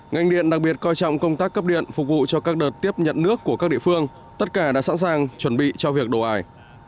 ngành điện đặc biệt coi trọng công tác cấp điện phục vụ cho các đợt tiếp nhận nước của các địa phương tất cả đã sẵn sàng chuẩn bị cho việc đổ ải